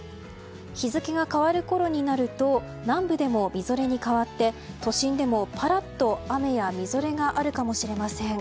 日付が変わるころになると南部でもみぞれに変わって都心でもぱらっと雨やみぞれがあるかもしれません。